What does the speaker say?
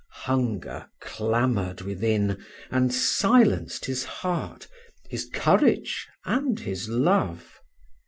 Hunger clamored within and silenced his heart, his courage, and his love.